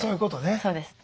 そうです。